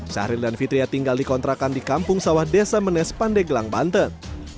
syahril dan fitria tinggal di kontrakan di kampung sawah desa menes pandeglang banten